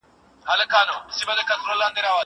زه به اوږده موده لوبه کړې وم!